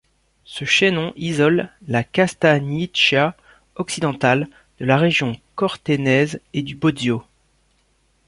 Ce chaînon isole la Castagniccia occidentale de la région cortenaise et du Bozio.